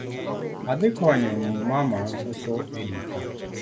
Adhi konyo mama uso e duka